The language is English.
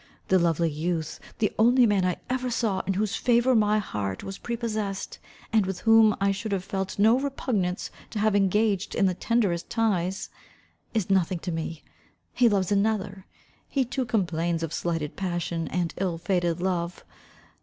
The lovely youth, the only man I ever saw in whose favour my heart was prepossessed, and with whom I should have felt no repugnance to have engaged in the tenderest ties, is nothing to me He loves another. He too complains of slighted passion, and ill fated love.